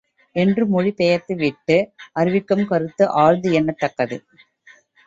என்று மொழி பெயர்த்துவிட்டு அறிவிக்கும் கருத்து ஆழ்ந்து எண்ணத் தக்கது.